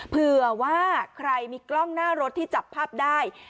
เผื่อว่าใครมีกล้องหน้ารถที่จับภาพได้